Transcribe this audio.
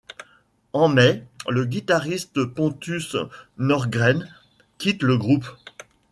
En mai, le guitariste Pontus Norgren quitte le groupe.